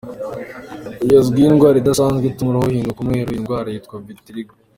Uyu azwiho indwara idasanzwe ituma uruhu ruhinduka umweru, iyi ndwara yitwa vitiligo.